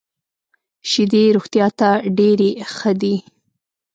شیدې روغتیا ته ډېري ښه دي .